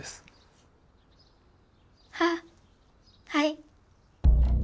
あっはい。